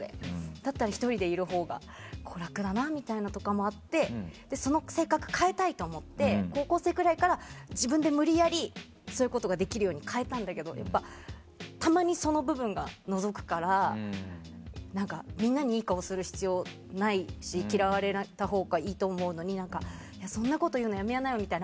だったら１人でいるほうが楽だなみたいなのがあってその性格を変えたいと思って高校生くらいから自分で無理やりそういうことができるように変えたんだけどやっぱり、たまにその部分がのぞくからみんなにいい顔する必要ないし嫌われたほうがいいと思うのにそんなこと言うのやめなよみたいな